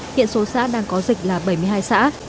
hiện số xã đang có dịch là bảy mươi hai xã